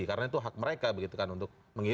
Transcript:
karena itu hak mereka begitu kan untuk menangkap